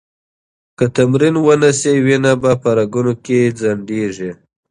که تمرین ونه شي، وینه په رګونو کې ځنډېږي.